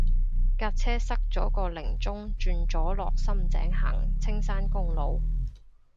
架車塞咗個零鐘轉咗落深井行青山公路